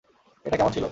এটা কেমন ছিলো?